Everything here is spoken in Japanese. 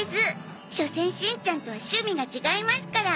しょせんしんちゃんとは趣味が違いますから。